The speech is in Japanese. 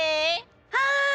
はい！